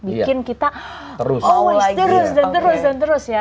bikin kita terus terus dan terus